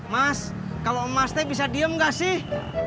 mas kalau emasnya bisa diem nggak sih